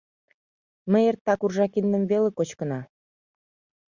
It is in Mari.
Ме эртак уржа киндым веле кочкына.